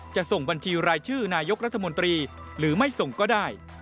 ส่งบัญชีรายชื่อนายกรัฐมนตรีหรือไม่ส่งก็ได้